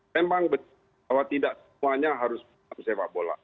memang kalau tidak semuanya harus sepak bola